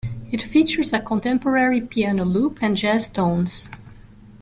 It features a contemporary piano loop and jazz tones.